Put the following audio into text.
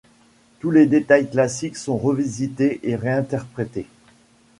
Tous les détails classiques sont revisités et réinterprété.